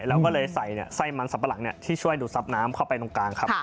เราก็เลยใส่ไส้มันสับปะหลังที่ช่วยดูดซับน้ำเข้าไปตรงกลางครับ